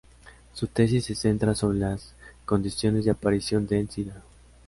Su tesis se centra sobre las condiciones de aparición del Sida.